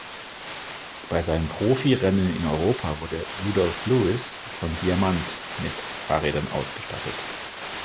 Bei seinen Profirennen in Europa wurde Rudolph Lewis von Diamant mit Fahrrädern ausgestattet.